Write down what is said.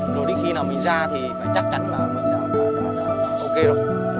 rồi đến khi nào mình ra thì phải chắc chắn là mình đã ok rồi